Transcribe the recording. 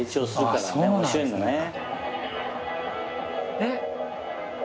えっ？